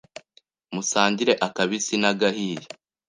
musangira akabisi n’agahiye